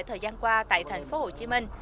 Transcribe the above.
thời gian qua tại thành phố hồ chí minh